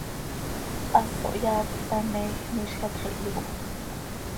Haso hyaa quih htaneeej, miizj hacx ihyooh.